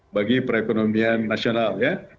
bagi perekonomian nasional ya